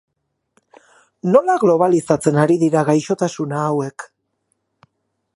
Nola globalizatzen ari dira gaixotasuna hauek?